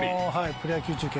プロ野球中継